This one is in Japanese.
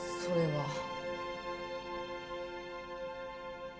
それは。